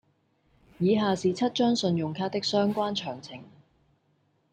以下是七張信用卡的相關詳情